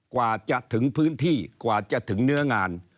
กว่าจะถึงพื้นที่กว่าจะถึงเนื้องาน